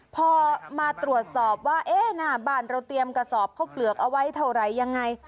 พอมาตรวจสอบว่าหน้าบ้านเราเตรียมกระสอบข้าวเปลือกเอาไว้เท่าไหร่ยังไง